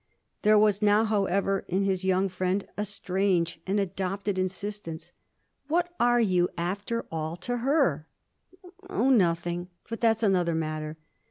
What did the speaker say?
There was now, however, in his young friend a strange, an adopted insistence. 'What are you after all to her?' 'Oh nothing. But that's another matter.'